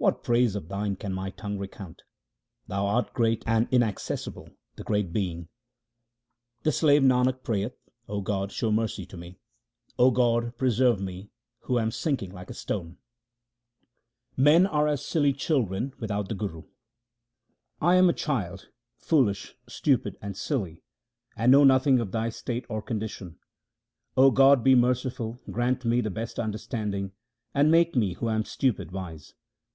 What praise of Thine can my tongue recount ? Thou art great and inaccessible, the greatest Being. The slave Nanak prayeth — O God, show mercy to me ; O God, preserve me who am sinking like a stone. HYMNS OF GURU RAM DAS 327 Men are as silly children without the Guru :— I am a child, foolish, stupid, and silly, and know nothing of Thy state or condition. O God, be merciful, grant me the best understanding, and make me who am stupid wise.